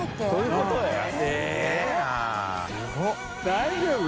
大丈夫？